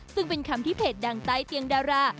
ซึ่งเป็นคำที่เพจดังใต้เตียงดารา